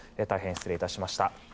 大変失礼しました。